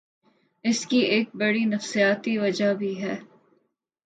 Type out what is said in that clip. اس کی ایک بڑی نفسیاتی وجہ بھی ہے۔